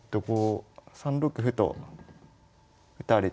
３六歩と打たれて。